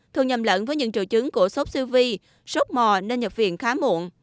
thường nhầm lẫn với những trừ chứng của sốc siêu vi sốc mò nên nhập viện khá muộn